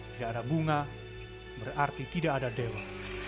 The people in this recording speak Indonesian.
tidak ada bunga berarti tidak ada dewa